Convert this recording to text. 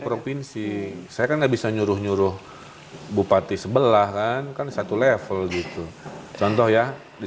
provinsi saya kan nggak bisa nyuruh nyuruh bupati sebelah kan kan satu level gitu contoh ya di